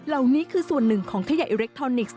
เหล่านี้คือส่วนหนึ่งของขยะอิเล็กทรอนิกส์